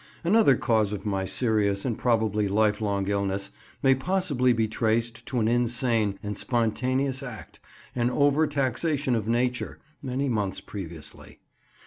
Another cause of my serious and probably life long illness may possibly be traced to an insane and spontaneous act—an over taxation of nature—many months previously.